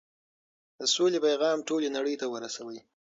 د سولې پيغام ټولې نړۍ ته ورسوئ.